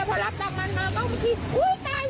ว้ี่ตาย